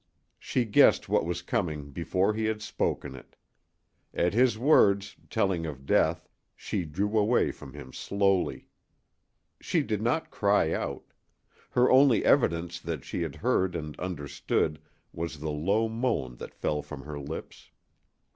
She guessed what was coming before he had spoken it. At his words, telling of death, she drew away from him slowly. She did not cry out. Her only evidence that she had heard and understood was the low moan that fell from her lips.